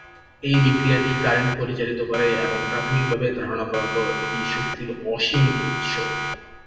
এই বিক্রিয়াটি কারেন্ট পরিচালিত করে এবং প্রাথমিক ভাবে ধারণা করা হতো এটি শক্তির অসীম উৎস।